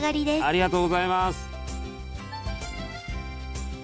ありがとうございます。